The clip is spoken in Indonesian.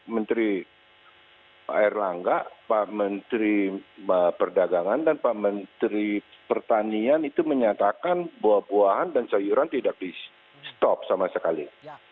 menteri erlangga pak menteri perdagangan dan pak menteri pertanian itu menyatakan buah buahan dan sayuran tidak di stop sama sekali